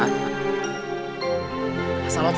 lu sesuai sama mas